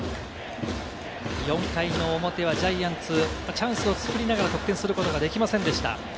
４回の表はジャイアンツ、チャンスを作りながら得点することができませんでした。